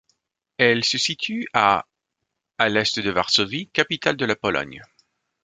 Elle se situe à à l'est de Varsovie, capitale de la Pologne.